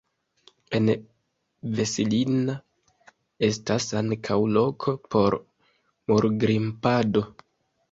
En Vesilinna estas ankaŭ loko por murgrimpado.